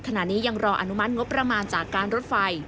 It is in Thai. ขณะนี้ยังรออนุมัติงบประมาณจากการรถไฟ